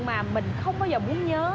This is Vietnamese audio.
mà mình không bao giờ muốn nhớ